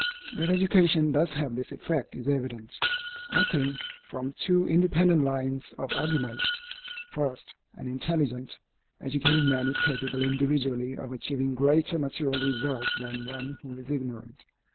That education does have this effect is evident, I think, from two independent lines of argument. First, an intelligent, educated man is capable individually of achieving greater material results than one who is ignorant.